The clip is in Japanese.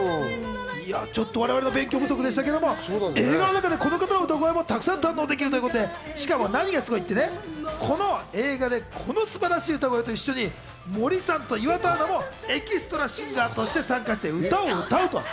ちょっと我々の勉強不足でしたけど、映画の中でこの方の歌声もたくさん堪能できるということで、何がすごいって、この映画でこの素晴らしい歌声と一緒に森さんと岩田アナもエキストラシンガーとして参加して歌を歌う。